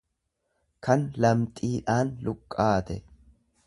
kan lamxiidhaan luqqaate.